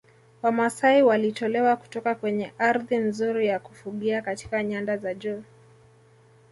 Wamasai walitolewa kutoka kwenye ardhi nzuri ya kufugia katika nyanda za juu